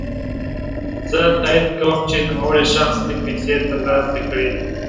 زه تاييد کوم چی نوموړی شخص دي پيسې ترلاسه کړي.